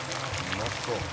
「うまそう」